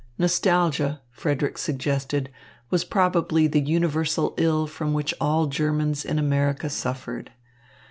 Nostalgia, Frederick suggested, was probably the universal ill from which all Germans in America suffered.